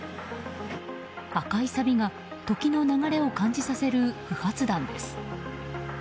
赤いさびが時の流れを感じさせる不発弾です。